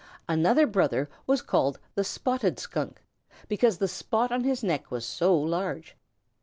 Another brother was called the Spotted Skunk, because the spot on his neck was so large.